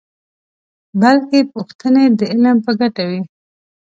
بلکې پوښتنې د علم په ګټه وي.